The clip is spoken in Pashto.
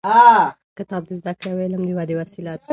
کتاب د زده کړې او علم د ودې وسیله ده.